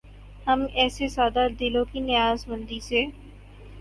ہم ایسے سادہ دلوں کی نیاز مندی سے